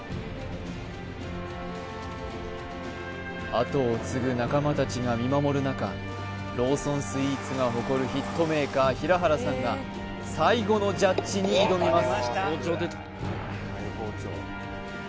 あとを継ぐ仲間たちが見守る中ローソンスイーツが誇るヒットメーカー平原さんが最後のジャッジに挑みます